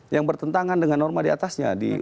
yang bertentangan dengan norma diatasnya